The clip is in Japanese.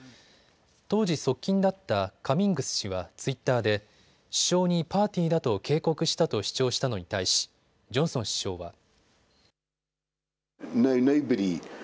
当時、側近だったカミングス氏はツイッターで首相にパーティーだと警告したと主張したのに対しジョンソン首相は。